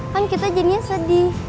kan kita jadinya sedih